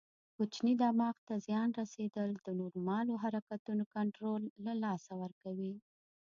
کوچني دماغ ته زیان رسېدل د نورمالو حرکتونو کنټرول له لاسه ورکوي.